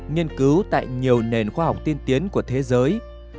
nghiên cứu tại nhiều nền khoa học tiên tiến của thế giới